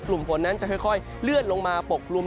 กลุ่มฝนนั้นจะค่อยเลื่อนลงมาปกกลุ่ม